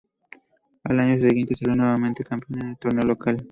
Al año siguiente salió nuevamente campeón en el torneo local.